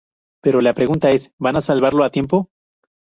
Pero, la pregunta es "¿Van a salvarlo a tiempo?".